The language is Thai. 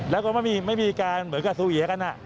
แล้วก็ไม่มีการเหมือนกับซูเวียกัน